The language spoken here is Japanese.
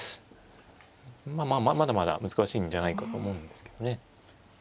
まあまだまだ難しいんじゃないかと思うんですけどね。